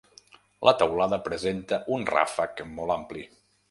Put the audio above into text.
La teulada presenta un ràfec molt ampli.